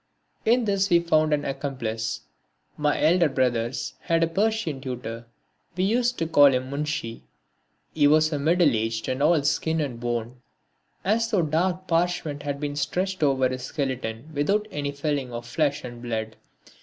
In this we found an accomplice. My elder brothers had a Persian tutor. We used to call him Munshi. He was of middle age and all skin and bone, as though dark parchment had been stretched over his skeleton without any filling of flesh and blood.